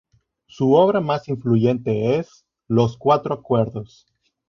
Su obra más influyente es "Los cuatro acuerdos".